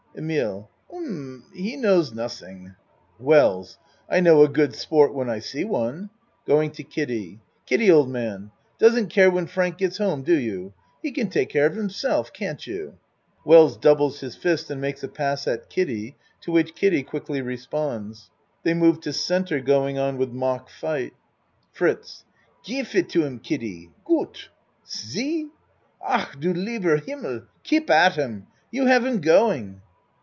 EMILE Um he knows nossing. WELLS I know a good sport when I see one. (Going to Kiddie.) Kiddie, old man, doesn't care when Frank gets home, do you? He can take care of himself, can't you? (Wells doubles his fist and makes a pass at Kiddie, to which Kiddie quickly re sponds. They move to C. going on with mock fight.) FRITZ Gif it to him, Kiddie. Goot! See! Ach du leiber Himmel! Keep at him! You have him going!